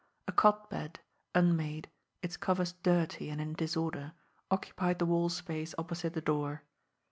A cot bed, unmade, its covers dirty and in disorder, occupied the wall space opposite the door.